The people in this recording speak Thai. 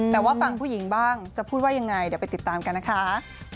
แต่ว่าฟังผู้หญิงบ้างจะพูดว่ายังไงเดี๋ยวไปติดตามกันนะคะ